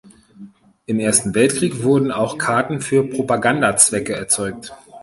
Im Ersten Weltkrieg wurden auch Karten für Propagandazwecke erzeugt.